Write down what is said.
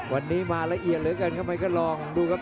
วันนี้มาละเอียดเหลือกันก็ลองดูครับ